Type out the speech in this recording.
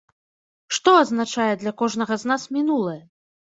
Што азначае для кожнага з нас мінулае?